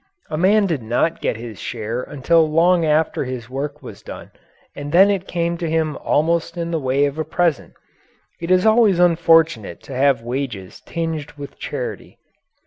A man did not get his share until long after his work was done and then it came to him almost in the way of a present. It is always unfortunate to have wages tinged with charity.